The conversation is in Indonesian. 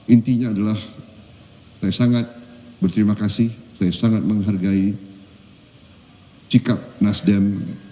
intinya adalah saya sangat berterima kasih saya sangat menghargai sikap nasdem